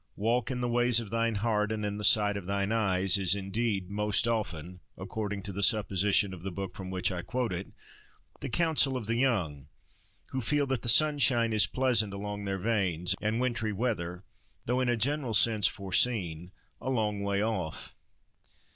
"Walk in the ways of thine heart, and in the sight of thine eyes," is, indeed, most often, according to the supposition of the book from which I quote it, the counsel of the young, who feel that the sunshine is pleasant along their veins, and wintry weather, though in a general sense foreseen, a long way off.